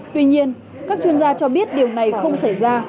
tuy nhiên các chuyên gia cho biết điều này không xảy ra